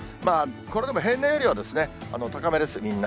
これでも平年よりは高めです、みんな。